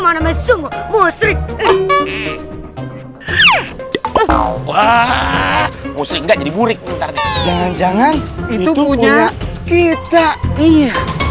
musik musik enggak jadi burik jangan jangan itu punya kita iya